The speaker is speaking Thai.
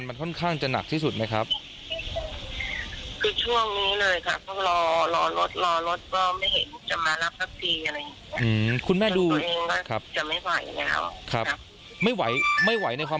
ตอนนี้เจ็บไปชั่วเลยอะค่ะเพราะว่ามันเหนื่อยมากค่ะ